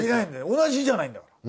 同じじゃないんだから。